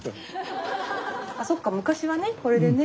あそっか昔はねこれでね。